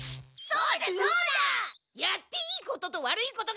そうだそうだ！